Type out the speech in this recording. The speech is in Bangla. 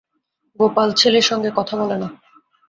গোপাল ছেলের সঙ্গে কথা বলে না।